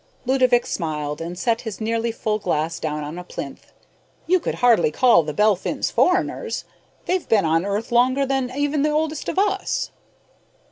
Ludovick smiled and set his nearly full glass down on a plinth. "You could hardly call the Belphins foreigners; they've been on Earth longer than even the oldest of us."